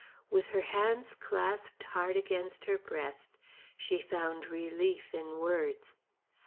With her hands clasped hard against her breast she found relief in words.